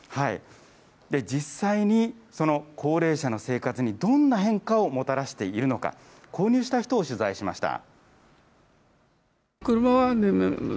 実際にその高齢者の生活にどんな変化をもたらしているのか、購入した人を取材しました。